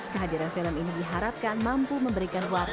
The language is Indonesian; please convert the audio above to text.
kehadiran film ini diharapkan mampu memberikan warna